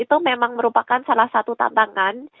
itu memang merupakan salah satu tantangan